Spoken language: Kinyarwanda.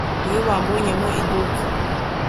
iyo bambonye mu iduka